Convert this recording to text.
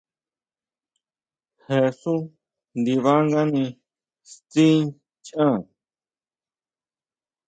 Je xú ndibangani tsí nchá.